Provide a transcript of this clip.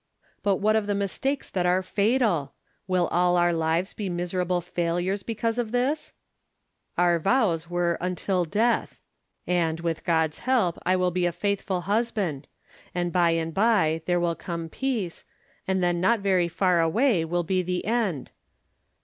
But what of the mistakes that are fatal 1 Will all our lives be miserable failures because of this ? Our vows were " until death," and, with God's help, I wiU. be a faithful husband ; and by and by there will come peace, and then not very far away will be the end.